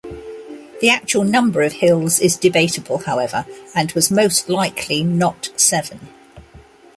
The actual number of hills is debatable however and was most likely not seven.